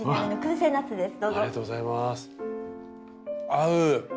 合う。